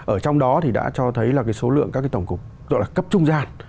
ở trong đó thì đã cho thấy là số lượng các tổng cục gọi là cấp trung gian